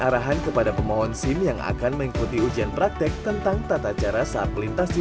arahan kepada pemohon sim yang akan mengikuti ujian praktek tentang tata cara saat melintasi